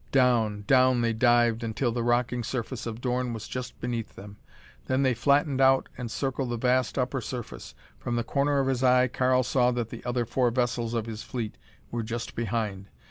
Down, down they dived until the rocking surface of Dorn was just beneath them. Then they flattened out and circled the vast upper surface. From the corner of his eye Karl saw that the other four vessels of his fleet were just behind.